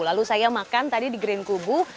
lalu saya makan tadi di grand kubu